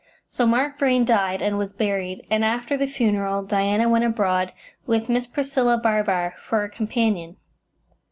So Mark Vrain died, and was buried, and after the funeral Diana went abroad, with Miss Priscilla Barbar for a companion.